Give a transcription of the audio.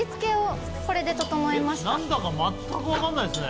なんだか全く分かんないですね。